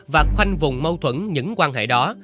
và khoanh vùng mâu thuẫn những quan hệ đó